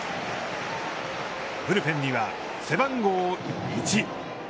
ブルペンには、背番号１。